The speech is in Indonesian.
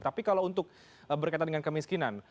tapi kalau untuk berkaitan dengan kemiskinan